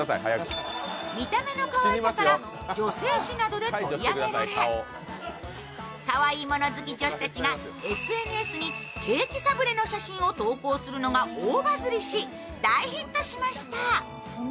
見た目のかわいさから女性誌などで取り上げられ、かわいいもの好き女子たちがＳＮＳにケーキサブレの写真を投稿するのが大バズりし、大ヒットしました。